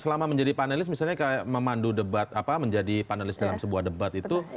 selama menjadi panelis misalnya kayak memandu debat apa menjadi panelis dalam sebuah debat itu